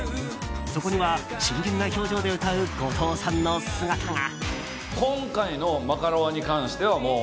そこには真剣な表情で歌う後藤さんの姿が。